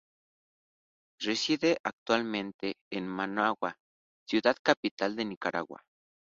Reside actualmente en Managua, ciudad capital de Nicaragua.